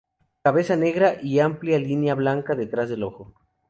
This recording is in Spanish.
Cabeza negra y una amplia línea blanca detrás del ojo.